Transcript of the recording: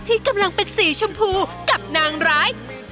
ที่กำลังเป็นสีชมพูกับนางร้าย